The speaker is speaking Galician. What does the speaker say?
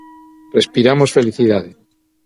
Respiramos felicidade.